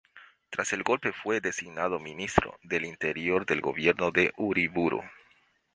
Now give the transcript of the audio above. Tras el golpe fue designado Ministro del Interior del Gobierno de Uriburu.